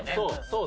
そう。